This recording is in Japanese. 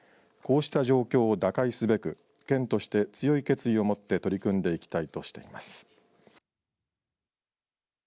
こうした状況を打開すべく県として強い決意を持って取り組んでいきたいとしています。